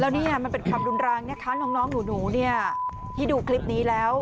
แล้วเนี่ยมันเป็นความรุนแรงนะคะน้องหนูเนี่ยที่ดูคลิปนี้แล้ว